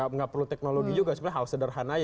nggak perlu teknologi juga sebenarnya hal sederhana aja